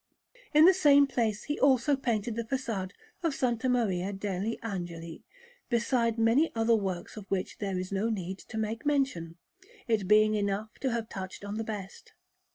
In the same place he also painted the façade of S. Maria degli Angeli, besides many other works of which there is no need to make mention, it being enough to have touched on the best.